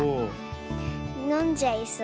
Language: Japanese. のんじゃいそう。